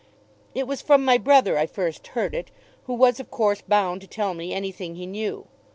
It was from my brother I first heard it, who was of course bound to tell me anything he knew.